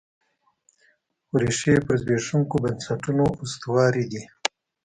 خو ریښې یې پر زبېښونکو بنسټونو استوارې دي.